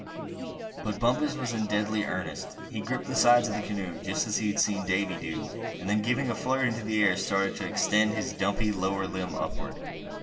But Bumpus was in deadly earnest. He gripped the sides of his canoe, just as he had seen Davy do; and then, giving a flirt into the air, started to extend his dumpy lower limbs upward.